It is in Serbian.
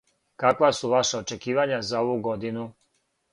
Каква су ваша очекивања за ову годину?